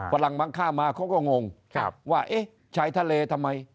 ฝรั่งบางค่ามาเขาก็งงว่าเอ๊ะชายทะเลทำไม